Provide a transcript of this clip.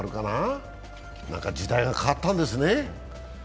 時代が変わったんですね。